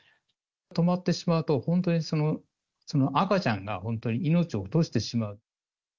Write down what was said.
止まってしまうと、本当に赤ちゃんが、本当に命を落としてしまう。